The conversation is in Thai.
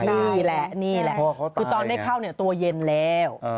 นี่แหละก็ตอนได้เข้าเนี่ยตัวยิ่นแล้ว